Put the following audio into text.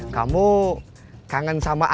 kamu kangen sama aku